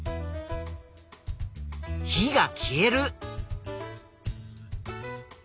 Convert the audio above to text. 火が消える。